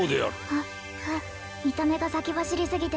あっあっ見た目が先走りすぎて